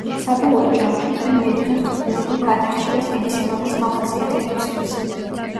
საბოლოო ჯამში, ჩვენ მივიღებთ, ბუნებრივ გადარჩევას დიდი სიმაღლის მახასიათებლისთვის.